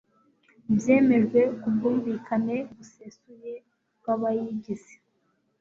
byemejwe ku bwumvikane busesuye bw'abayigize